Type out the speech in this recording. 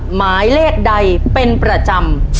หมายเลขใดเป็นประจำ